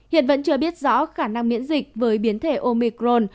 hiện vẫn chưa biết rõ khả năng miễn dịch với biến thể omicron